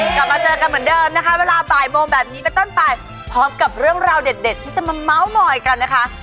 กลับมาเจอกันเหมือนเดิมนะคะเวลาบ่ายโมงแบบนี้เป็นต้นไปพร้อมกับเรื่องราวเด็ดที่จะมาเมาส์มอยกันนะคะ